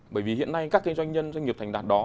bởi vì hiện nay các doanh nhân doanh nghiệp thành đạt đó